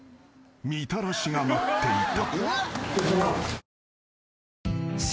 みたらしが待っていた］